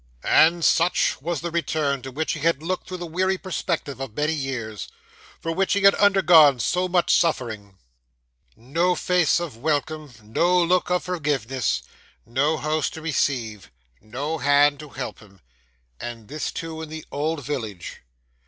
'And such was the return to which he had looked through the weary perspective of many years, and for which he had undergone so much suffering! No face of welcome, no look of forgiveness, no house to receive, no hand to help him and this too in the old village.